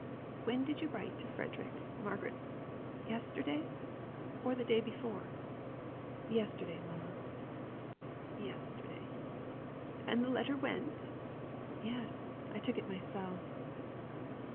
"When did you write to Frederick, Margaret? Yesterday, or the day before?" "Yesterday, mamma." "Yesterday, and the letter went?" "Yes. I took it myself."